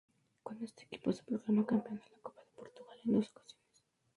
Con este equipo se proclama campeón de la Copa de Portugal en dos ocasiones.